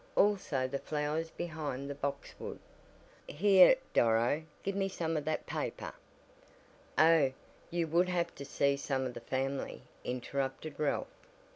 Also the flowers behind the boxwood. Here, Doro, give me some of that paper " "Oh, you would have to see some of the family," interrupted Ralph.